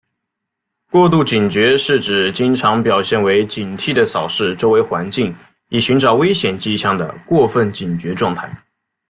过度警觉是指经常表现为警惕地扫视周围环境以寻找危险迹象的过分警觉状态。